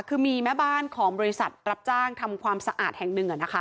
คือมีแม่บ้านของบริษัทรับจ้างทำความสะอาดแห่งหนึ่ง